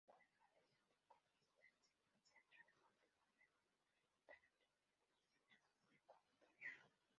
Juega de Centrocampista en Centro Deportivo Olmedo de la Primera División del fútbol ecuatoriano.